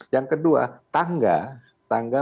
yang kedua tangga